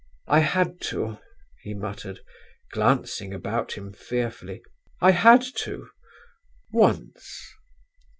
"'I had to,' he muttered, glancing about him fearfully, 'I had to once....'"